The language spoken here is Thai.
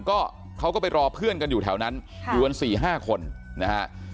ก็เขาก็ไปรอเพื่อนกันอยู่แถวนั้นอยู่กัน๔๕คนนะฮะ